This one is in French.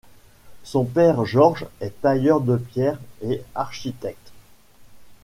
Son père Georges est tailleur de pierre et architecte.